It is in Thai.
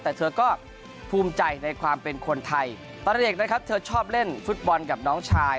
แต่เธอก็ภูมิใจในความเป็นคนไทยตอนเด็กนะครับเธอชอบเล่นฟุตบอลกับน้องชาย